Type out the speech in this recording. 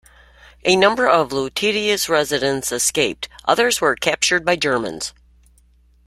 A number of the Lutetia's residents escaped; others were captured by the Germans.